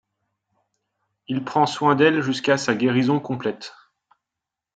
Il prend soin d’elle jusqu’à sa guérison complète.